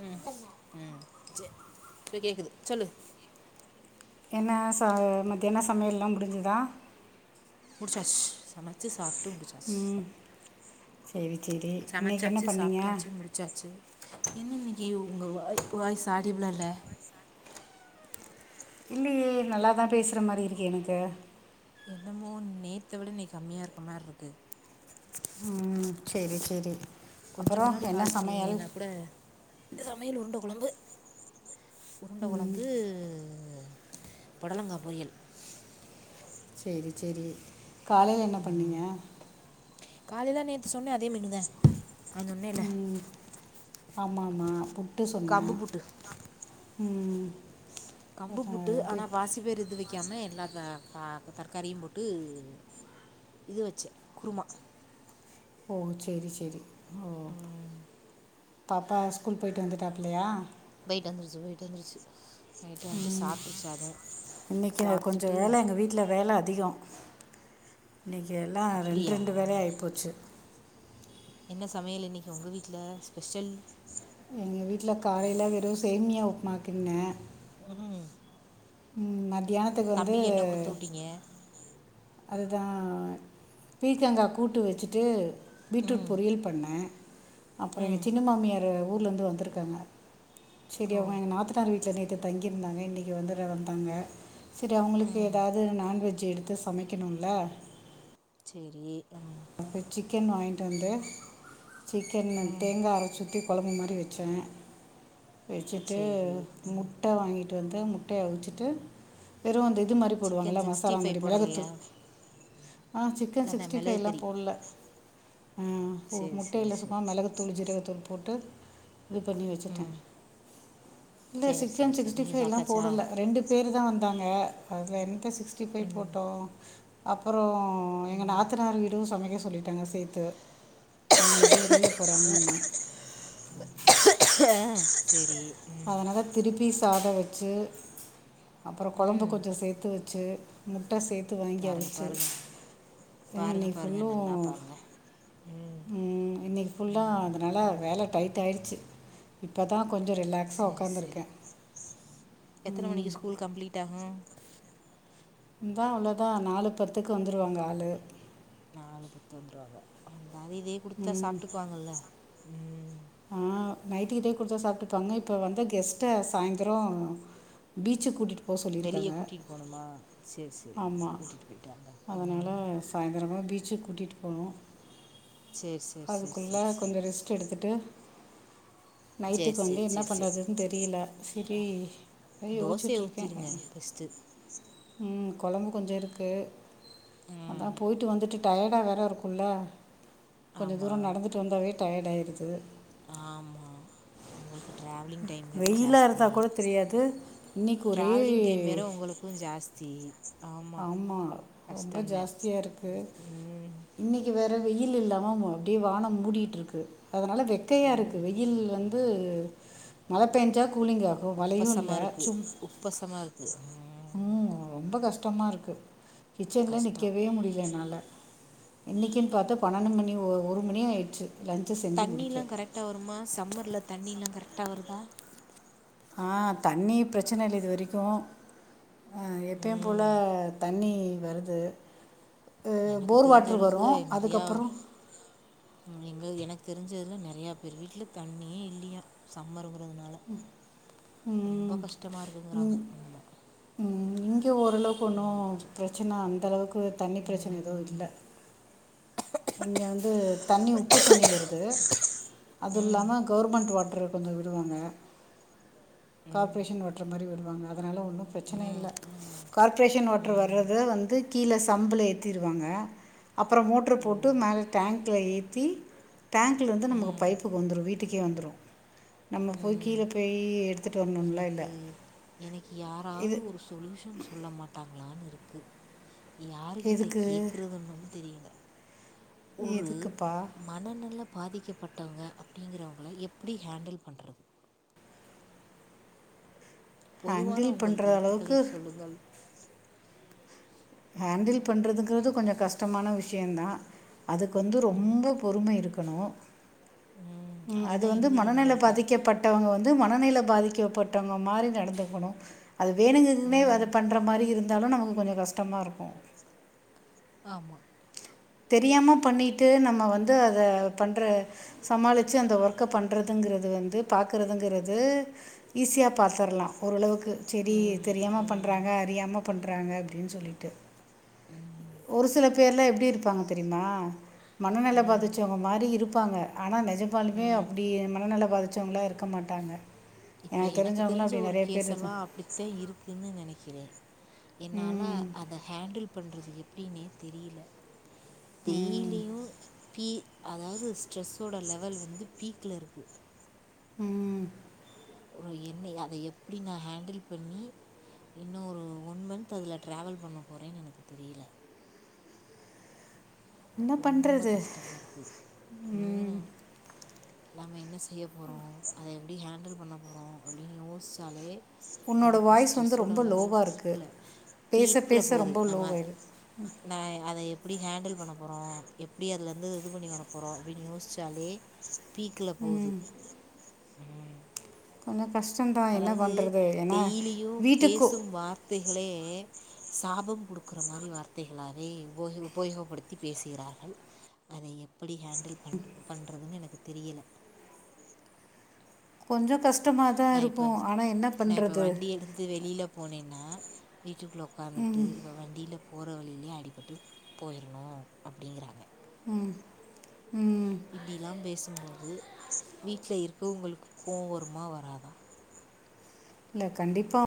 உம் உம் ச சரி கேக்குது சொல்லு என்ன ச மத்தியான சமையல்லாம் முடிஞ்சதா முடிச்சாச்சி சமைச்சு சாப்பிட்டு முடிச்சாச்சி சேரி சேரி சமைச்சாச்சு சாப்பிட்டாச்சு முடிச் சாச்சு என்ன இன்னைக்கு உங்க வ வாய்ஸ் ஆடிபிள்ளா இல்ல இல்லையே நல்லா தா பேசுற மாதிரி இருக்கு எனக்கு என்னமோ நேத்த விட இன்னைக்கு கம்மியா இருக்க மாரிருக்குது உம் செரி செரி கொஞ்சோமுன்னாடி கால் பண்ணிருந்தீங்கன்னா கூட சமையல் உருண்ட கொழம்பு உருண்ட கொழம்பு பொடலங்கா பொரியல் சேரி சேரி காலைல என்ன பண்ணீங்க காலேல நேத்து சொன்ன அதே மெனுதே ம் ஆமா ஆமா புட்டு சொன்ன கம்பு புட்டு ம் கம்பு அதான் புட்டு இது ஆனா பாசி பேய்ர் எது வெக்காம எல்லா தர்காரியு போட்டு இது வச்சே குருமா ஓ சேரி சேரி ம் பாப்பா ஸ்கூல் போய்ட்டு வந்துட்டாப்லையா போய்ட்டு வந்துருச்சு போய்ட்டு வந்துருச்சு போய்ட்டு வன்ட்டு சாப்ட்ருச்சு அதும் சாப்ட்டுட்டு எங்க வீட்ல வேல அதிகொ இன்னைக்கு எல்லா ரெண் அப்படியா ரெண்டு வேலயா ஆய்ப்போச்சு என்ன சமையல் இன்னைக்கி உங்க வீட்ல ஸ்பெஷல் எங்க வீட்ல காலைல வெறு சேமியா உப்மா கிண்ட்னே ஃபஃனாமே மத்தியானத்துக்கு வந்து என்ன கொடுத்து விட்டீங்க அதுதா பீர்க்கங்கா கூட்டு வெச்சுட்டு பீட்ரூட் பொரியல் பண்ண அப்றொ எங்க சின்ன மாமியார் ஊர்லருந்து வந்திருக்காங்க செரி ஓ அவுங்க எங்க நாத்தனார் வீட்டுல நேத்து தங்கிருந்தாங்க இன்னைக்கு வந்துர வந்தாங்க செரி அவங்களுக்கு எதாவது நான்வெஜ் எடுத்து சமைக்கணுல சேரி ம் ப்ப சிக்கன் வாய்ன்ட்டு வந்து சிக்கன் தேங்கா அரைச்சூத்தி கொழம்பு மாரி வெச்சோ வெச்சுட்டு சரி ம் முட்ட வாங்கிட்டு வந்து முட்டய அவிச்சிட்டு வெறு அந்த இது மாரி சிக்கன் போடுவாங்களா சிக்ஸ்டி மசாலா மாரி ஃபைவ் போடலையா மிளகுத்தூள் ஆ சிக்கன் அதான் சிக்ஸ்டி மிளகு ஃபைலா கறி போட்ல ம் ஒர் சரி சரி முட்டைல சரி சும்மா மிளகு தூள் ஜீரக தூள் போட்டு இது பண்ணி வச்சட்டேன் இல்ல சரி சரி சிக்கன் சரி சிக்ஸ் டி நீங்கள் பைவ் ல சாப்பிட்டாச்சா போடல ரெண்டு சேர்ந்துதா வந்தாங்க அதுல என்னத்த சிக்ஸ்டி ஃபை போட்டோ அப்புறோம் எங்க நாத்தனார் டு சமைக்க சொல்லிட்டாங்க சேர்த்து அவுங்க எங்கேயோ வெளில போறாங்கன்னு ஆ செரி அதனால் திருப்பி சாதோ வச்சு அப்புறோம் குழம்பு கொஞ்ஜோம் சேர்த்து வச்சு சேர் முட்ட சேத்து வாங்கி பாருங்கள் அவுச்சு பாருங்கள் உ பாருங்கள் இன்னைக்கு ஃபுல்லு பாருங்கள் நல்லா பாருங்கள் ம் இன்னைக் ஃபுல்லா அதனால வேல டைட் ஆயிடுச்சு இப்போ தான் கொஞ்சம் ரிலாக் செரி செரி எத்தன மணிக்கு ஸ்கூல் கம்ப்ளீட் ஆகு இந்தா அவ்ளோதா நாலு பத்துக்கு வந்துடுவாங்க ஆளு நாலு பத்து வந்துருவாங்க வந்தாது இதே குடுத்தா சாப்ட்டுக்குவாங்கல்ல ம் ஆ நைட்டுக் இதே கொடுத்தா சாப்ட்டுப்பாங்க இப்போ வந்து கெஸ்ட்ட சாய்ந்தரம் பீச்சுக் கூட்டிட்டு போ வெளிய சொல்லிருக்காங்க கூட்டிட்டு போணுமா சேரி சேரி ஆமா கூட்டிட்டு போயிட்டு வாங்க அதனால சாயந்திரமா பீச்சுக்கு கூட்டிட்டு போனும் சேரி சேரி சேரி அதுக்குள்ள சேரி சேரி கொஞ்ச ரெஸ்ட் எடுத்துட்டு சேரி நைட்டுக்கு வந்து சேரி என்ன சேரி சேரி பண்ணுறதுன்னு தெரியல செரி இங் தோசைய யோசிச்சிட்ருக்கே ஊத்திருங்க பெஸ்ட்டு ம் கொழம்பு கொஞ்சம் இருக்கு அதான் போய்ட்டு வந்துட்டு டயர்டா வேறா இருக்குல கொஞ்ச ஆமா தூரம் நடந்துட்டு வந்தாவே டயர்ட் ஆயிருது ஆமா உங்களுக்கு ட்ராவலிங் டைம் வேற வெயிலாக ஜாஸ்தி இருந்தால் கூட தெரியாது இன்றைக்கி ஒரே ட்ராவலிங் டைம் வேற உங்களுக்கு க்கு ஜாஸ்தி ஆமா ரொம்ப கஷ்டந்தா ஜாஸ்தியா இருக்கு இன்னிக் வேற வெயில் இல்லாம அப்டியே வானோ மூடிட்டு இருக்கு அதனால வெக்கையா இருக்கு வெயி வெயில் வந்து மழ பெஞ்சா கூலிங் ஆகு உப்பசமா இருக்கு உப்பசமா இருக்கு ஆமா ம் ரொம்ப கஷ்டமா இருக்கு கிச்சன்ல கஷ்டோ நிக்கவே முடியல என்னால இன்னக்கின்னு பாத்து பன்னெண்டு மணி ஒரு மணி ஆயிடுச்சு லஞ்சை செஞ்சு தண்ணில்லா முடிக்க கரெக்டா வருமா சம்மர்ல தண்ணில்லா கரெக்டா வருதா ஆ தண்ணி பிரச்சன இல்ல இது வரைக்கு ஆ எப்பயு போல ம் தண்ணி வருது அஹ் எனக்கு போர் தெரிஞ்ச வாட்டர் அளவுக்கு வரும் நெறையா அதுக்கப்புறம் எங்க எனக்கு தெரிஞ்சதுல நெறையா பேர் வீட்ல தண்ணியே இல்லையா சம்மருங்கிறதுனால ரொம்ப ம் கஷ்டமா இருக்குங்கிறாங்க ம், ஆமா ம் இங்க ஓரளவுக்கு ஒன்னு பிரச்சனை அந்தளவுக்கு தண்ணி பிரச்சனை எதுவு இல்ல இங்க வந்து தண்ணி உப்பு தண்ணி வருது அது இல்லாம கவ்ர்மெண்ட் வாட்ரு கொஞ்சோ விடுவாங்க கார்ப்பரேஷன் வாட்டர் மாதிரி விடுவாங்க அதனால ஒன்னு பிரச்சனை இல்ல கார்பரேஷன் வாட்டரு வர்றத வந்து கீழ சம்புல ஏத்திருவாங்க அப்புறோ மோட்ரு ஓ போட்டு மேல டேங்க் டேங்க்ல எத்தி டேங்க்லருந்து நமக்கு பைப்புக்கு வந்துரு வீட்டுக்கே வந்துரு நம்ம போய் ம் கீழ போய் எடுத் எனக்கு எனக்கு யாராவது இது ஒரு சொல்யூஷன் சொல்ல மாட்டாங்களான்னு இருக்கு யாரு கிட்ட எதுக்கு கேக்குறதுன்னு தெரியல ஒரு எதுக்குப்பா மனநெல பாதிக்கப்பட்டவங்க அப்டிங்கிறவங்கள எப்டி ஹேண்டில் பண்றது பொதுவான ஹேண்டில் உங்கள் பண்ணுற கருத்துக்களை அளவுக்கு சொல்லுங்கள் ஹேண்டில் பண்ணுறதுங்கிறது கொஞ்சோ கஷ்டமான விஷயந்தா அதுக்கு வந்து ரொம்ப பொறுமை இருக்க கணு ம் அது அதுதா வந்து இல்லையே மனநில நம்மள்ட்ட பாதிக்கப்பட் இவுங்க வந்து மனநில பாதிக்கப்பட்டவங்க மாதிரி நடந்துக்கணு அது வேணுங்கதுனே ம். அது பண்ற மாரி இருந்தாலு நமக்கு கொஞ்சோ கஷ்டமா இருக்கு ஆமா தெரியாம பண்ணிட்டு நம்ம வந்து அத பண்ற சமாளிச்சி அந்த ஒர்க் க்க பண்றதுங்கிறது வந்து பாக்கறதுங்கிறது ஈஸியா பாத்துர்லா ஓரளவுக்கு செரி ம். தெரியாம ம். பண்றாங்க அறியாம பண்றாங்க அப்டின் சொல்லிட்டு ஒரு சில பேர்லா எப்டி இருப் தெரியுமா மனநெல ம். பாதிச்சவங்க மாதிரி இருப்பாங்க ஆனா நெஜப்பாலுமே ம். அப்டி மனநில பாதிச்சவங்களா இருக்க மாட்டாங்க இப்ப எனக்கு தெரிஞ்சவங்களாம் தெரிஞ்ச அப்படி ஒரு நிறைய கேஸ் பேர் இருக்கு எல்லா அப்டி அதா இருக்குன்னு நெனைக்கிறே என்னால ம் அத ஹேண்டில் பண்றது எப்டினே தெரியில ம் டெய்லியு பீ அதாவ்து ஸ்ட்ரெஸ்ஸோட லெவல் வந்து பீக்ல இருக்கு ம் ஒரு என்னை அத எப்டி நா ஹேண்டில் பண்ணி இன்னு ஒரு ஒன் மன்ந்த் அதுல ட்ராவல் பண்ண போறேன்னு எனக்கு தெரியல என்ன ரொம்ப பண்ணுறது கஷ்டமா இருக்கு ம் நாம என்ன செய்ய போறோ அத எப்டி ஹேண்டில் பண்ண போறோ அப்டின்னு யோச்சாலே உன்னோட நமக்கு வாய்ஸ் வந்து ஸ்ட்ரெஸ்ஸோட ரொம்ப லெவல் லோவாக இருக்குது பீக்ல பேச பீக்ல பேச போது ரொம்ப நம்ம லோவாயிடுது நா அதை எப்டி ஹேண்டுல் பண்ண போ அப்பறொ எப்டி அதுலேர்ந்து இது பண்ணி வர போறோ அப்டின்னு யோஸ்ச்சாலே பீக்குல போது கொஞ்சம் கஷ்டம் தா அதாவது டெய்லியு வீட்டுக்கு பேசும் வார்த்தைகளே சாபம் கொடுக்குற மாரி வார்த்தைகளாவே உப உபயோகப்படுத்தி பேசுகிறார்கள் அத எப்படி ஹேண்டில் பண் பண்றதுனு எனக்கு தெரியல கொஞ்ச கஷ்டமா தா நான் இருக்கு இப்போ ஆனா என்ன நான் இப்போ பண்றது வண்டி எடுத்துட்டு வெளில போனேனா வீட்டுகுள்ள உக்காந்துட்டு இவ வண்டில போற வழியிலயே அடிபட்டு போயிறணும் அப்டிங்கிறாங்க ம் ம்ம் இப்படிலா பேசும்போது வீட்ல இருக்குறவங்களுக்கு கோவ் வருமா வராதா இல்ல கண்டிப்பா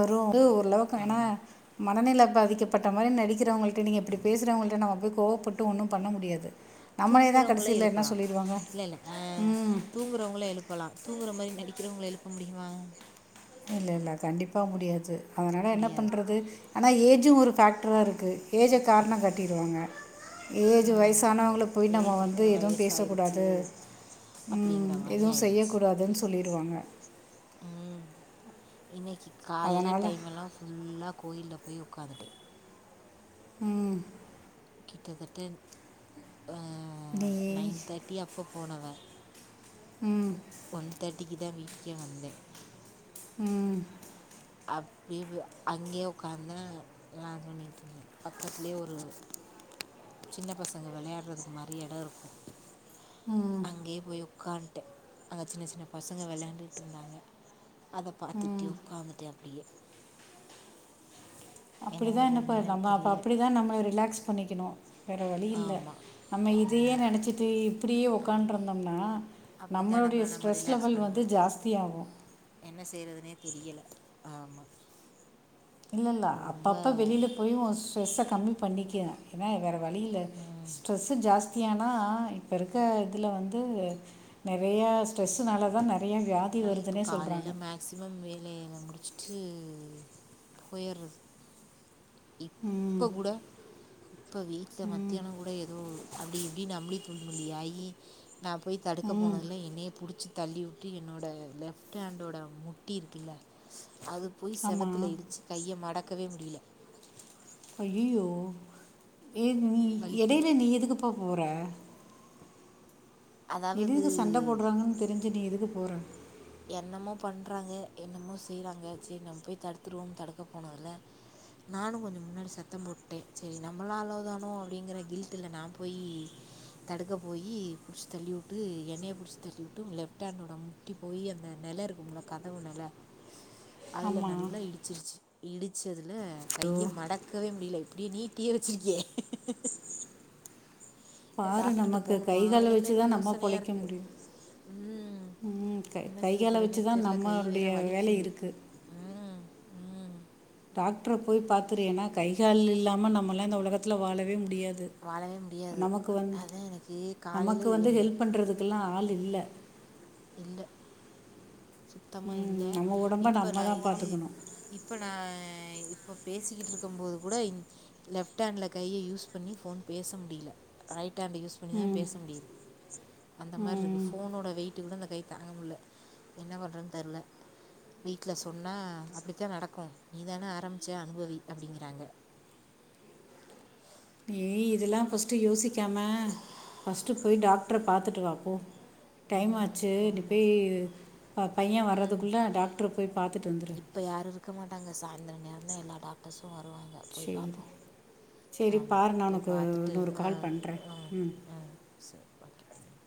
வரும் வந்து ஓரளவுக்கு ஏன்னா ஆமாம் மனநெலப் பாதிக்கப்பட்ட மாரி நடிக்கிறவங்ககிட்ட நீங்க இப்டி பேசுறவங்கள்ட நம்ம போய் கோவப்பட்டு ஒன்னு பண்ண முடியாது நம்மளே தான் தூங்குறவங்கள கடைசியில் என்ன எழுப்பலா சொல்லிடுவாங்க இல்ல இல்ல ஆ ம் தூங்குறவங்கள எழுப்பலா தூங்குற மாரி நடிக்கிறவங்கள எழுப்ப முடியுமா இல்ல ல்ல கண்டிப்பா முடியாது அதனால என்ன முடியாது பண்றது ஆனா ஏஜு ஒரு ஃபேக்ட்ரா இருக்கு ஏஜ்ஜ காரண காட்டிடுவாங்க ஏஜ் ம் வயசானவங்கள போய் நம்ம ஏஜ் வந்து எதுவும் பேசக் வயசாயிருச்சு கூடாது அப்படிங்கிற ம் மாதிரி எதுவு செய்ய ஆயிடுச்சு கூடாதுன் சொல்லிருவாங்க ம் இன்னக்கி காலைல அதனால் டைம் எல்லா ஃபுல்லா கோயில்ல போய் உக்காந்துட்டேன் ம் கிட்டத்தட்ட நீ நைன் தேட்டி அப்போ போனவ ம் ஒன் தேட்டிக்கு தா வீட்டுக்கே வந்தேன் ம் அப்டியெ போய் அங்கயே உக்காந்து நா சொல்லிட்ருந்தெ பக்கத்லயே ஒரு சின்ன பசங்க விளையாடுறதுக்கு மாரி எடம் இருக்கும் ம் அங்கேயே போய் உக்கான்டே அங்க சின்ன சின்ன பசங்க வெளையாடுட்ருந்தாங்க அத ம் பாத்துட்டு உட்காந்துட்டே அப்டியே என்ன அப்டிதா என்னப்ப பண்றதுன்னு எனக்கு நம்ம அப்போ தெரியல அப்டிதான் நம்ம ரிலாக்ஸ் பண்ணிக்கணும் வேற வழி இல்ல ஆமா நம்ம இதையே ஆமா நினச்சிட்டு இப்படியே உக்காந்து ஆமா இருந்தோம்னா அப்படித்தான் நம்மளுடைய நம்மள நம்ம ஸ்ட்ரெஸ் ரிலாக்ஸ் லெவல் வந்து பண்ணிக்கணும் ஜாஸ்திய ஆகும் என்ன செய்றதுனே தெரியல ஆமா இல்ல இல்ல அப்பப்போ வெளியில போய் ஸ்ட்ரெஸ்ஸ கம்மி பண்ணிகிறேன் ஏன்னா வேற வழி இல்ல ஸ்ட்ரெஸ்ஸு ஜாஸ்தியானா இப்ப இருக்க இதுல வந்து நெறைய ட்ரெஸ்ஸுனால தா நெறைய வியாதி வருதுன்னே சொல்றாங்க மேக்சிமம் வேலையெல்லா முடிச்சுட்டு போயிற்றது ம் இப்ப கூட இப்போ வீட்டில் ம் மத்தியானம் கூட ஏதோ அப்படி எப்படின் நம்ளி தூள்முழி ஆகி நா போய் தடுக்க ம் போனதுல்ல என்னைய புடிச்சி தள்ளிவிட்டு என்னோட லெஃப்ட் ஹேண்டோட முட்டி இருக்குல்ல அது போய் ஆமாம் செவத்துல இடுச் கைய மடக்கவே முடியல ஐய்யயோ ஏ நீ வலிக்குது எடையில நீ எதுக்குப்பா போற அதாவது எதுக்கு சண்ட போட்றாங்கன்னு தெரிஞ்சு நீ எதுக்கு போற என்னமோ பண்றாங்க என்னமோ செய்றாங்க சரி நம்ம போய் தடுத்துருவோனு தடுக்க போனோல்ல நானும் கொஞ்சோ முன்னாடி சத்தம் போட்டே சரி நம்மளாளோ தானோ அப்டிங்கிற கில்ட்டுல நா போயி தடுக்க போயி புடுச்சு தள்ளிவுட்டு என்னய புடுச்சு தள்ளிவுட்டூ லெப்ட் ஹேண்டோட முட்டி போய் அந்த நெல இருக்குமுள்ள கதவு நெல அதுல ஆமாம் நல்லா இ இடிச்சிருச்சு இடிச்சதுல ஐயோ கைய மடக்கவே முடியல இப்டியே நீட்டியே வச்சிருக்கே பாரு நமக்கு போணுமா கைகால் என்னன்னு வச்சுதா நம்ம யோசனையா பொழைக்க இருக்கு முடியும் ம் உம் என்ன கை செய்ய கால போறேனே வச்சுதா தெர்ல கை வேற நம்மலுடைய வேல வலிக்குது இருக்கு ம் ம் டாக்ட்ர போய் பாத்துரு ஏன்னா கை கால் இல்லாம நம்மளா இந்த உலக ட்ல வாழவே முடியாது வாழவே முடியாது நமக்கு வந்து அதா எனக்கு காலையில நமக்கு வந்து எனக்கு ஹெல்ப் இப்- பண்றது ல் லா ஆள் இல்ல இல்ல சுத்தமா ம் இல்ல நம்ம உடம்ப இப்ப நம்ம நா தான் இது பார்த்துக்கணும் இப்ப நா இப்ப பேசிக்கிட்ருக்கும் போது கூட இந் லெப்ட்ஹேண்ட்ல கைய யூஸ் பண்ணி ஃபோன் பேச முடில ரைட் ஹேண்ட் யூஸ் பன்னிதா ம் பேச முடியுது அந்த மார்ருக்கு ம் ஃபோனோட வெயிட்டு் கூட அந்த கை தாங்க முட்ல என்ன பண்றதுன் தெர்ல வீட்ல சொன்னா அப்டிதா நடக்கும் நீ தான ஆரம்பிச்ச அனுபவக அப்டிங்றாங்க ஏய் இதெல்லா ஃபஸ்ட்டு யோசிக்காம ஃபஸ்ட்டு போய் டாக்டர பாத்துட்டு வா போ டைம் ம் ஆச்சு நீ போய் ஆமாம் ப பையே வர்றதுகுள்ள டாக்டர போய் பாத்துட்டு வந்துரு இப்ப யாரும் இருக்க மாட்டாங்க சாய்ந்தர நேரந்தா எல்லா டாக்டர்ஸ்சும் வருவாங்க போய் சரி பாப்போம் சரி ஆம்மா பாரு நான் போய் உனக்கு பாத்துட்டு இன்னொரு அ கால் பண்ணுறேன் உம் ம் உம் சேர் பாக்கி பன்னு